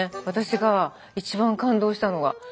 私が一番感動したのが。